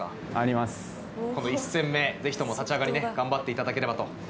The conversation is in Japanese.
この１戦目ぜひとも立ち上がり頑張っていただければと。